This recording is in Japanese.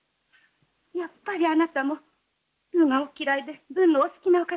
やっぱりあなたも武がお嫌いで文のお好きなお方でございましたか。